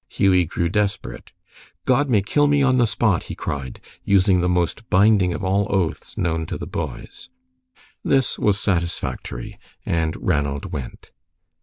Hughie grew desperate. "God may kill me on the spot!" he cried, using the most binding of all oaths known to the boys. This was satisfactory, and Ranald went.